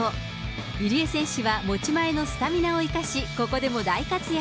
入江選手は持ち前のスタミナを生かし、ここでも大活躍。